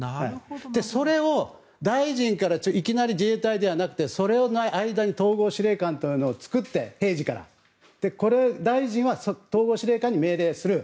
それを大臣からいきなり自衛隊ではなくてその間に統合司令官を平時から作って、大臣は統合司令官に命令する。